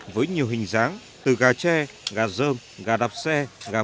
với nhiều hình dáng từ gà tre gà rơm gà đạp xe gà bò